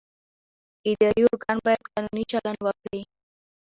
اداري ارګان باید قانوني عمل وکړي.